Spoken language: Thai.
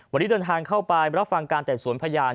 วันนี้เดินทางเข้าไปรับฟังการแต่สวนพยาน